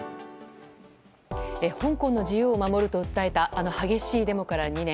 香港の自由を守ると訴えたあの激しいデモから２年。